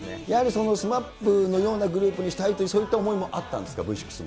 やはりＳＭＡＰのようなグループにしたい、そういった思いもあったんですか？